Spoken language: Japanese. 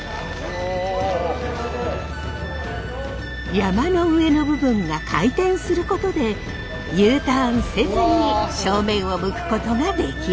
山車の上の部分が回転することでＵターンせずに正面を向くことができるんです！